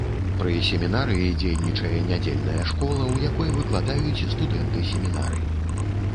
Пры семінарыі дзейнічае нядзельная школа, у якой выкладаюць студэнты семінарыі.